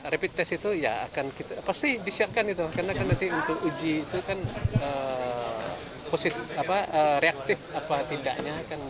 rapid test itu ya akan kita pasti disiapkan itu karena kan nanti untuk uji itu kan positif reaktif apa tidaknya